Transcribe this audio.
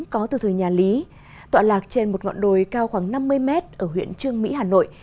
có từ thời nhà lý tọa lạc trên một ngọn đồi cao khoảng năm mươi mét ở huyện trương mỹ hà nội